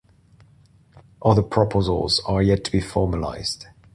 Other proposals are yet to be formalised.